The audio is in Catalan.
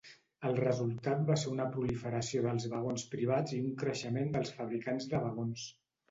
El resultat va ser una proliferació dels vagons privats i un creixement dels fabricants de vagons.